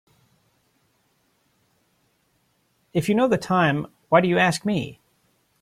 If you know the time why do you ask me?